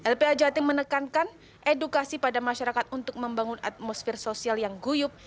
lpa jatim menekankan edukasi pada masyarakat untuk membangun atmosfer sosial yang guyup